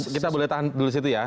kita boleh tahan dulu situ ya